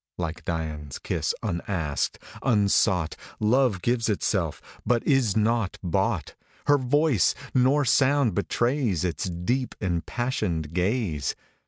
Like Dian's kiss, unasked, unsought, Love gives itself, but is not bought ; 15 Nor voice, nor sound betrays Its deep, impassioned ga/e.